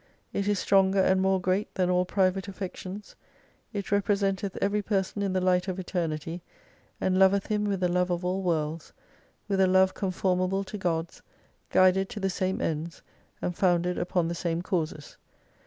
It is stronger and more great than all private affections. It represenieth every person in the light of Eternity, and loveth him with the love of all worlds, with a love conformable to God's, guided to the same ends, and founded upon the same causes.